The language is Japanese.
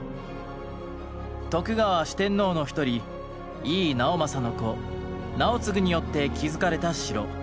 徳川四天王の一人井伊直政の子直継によって築かれた城。